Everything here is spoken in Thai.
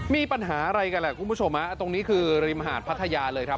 มีปัญหาอะไรกันแหละคุณผู้ชมฮะตรงนี้คือริมหาดพัทยาเลยครับ